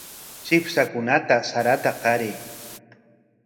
Chipshakunata sarata qaray.